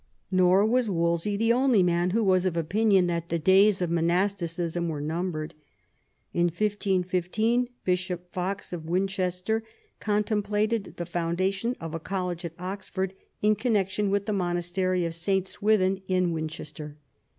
Nor was Wolsey the only man who was of opinion that the days of monasticism were numbered. In 1515 Bishop Fox of Winchester contemplated the foundation of a college at Oxford in connection with the monastery of St. Swithin at Winchester.